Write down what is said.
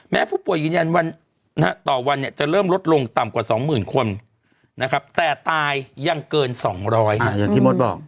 แม้ผู้ป่วยยืนยันต่อวันจะเริ่มลดลงต่ำกว่า๒๐๐๐๐คนแต่ตายยังเกิน๒๐๐คน